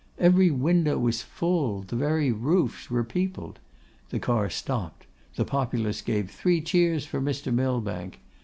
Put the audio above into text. Every window was full; the very roofs were peopled. The car stopped, and the populace gave three cheers for Mr. Millbank.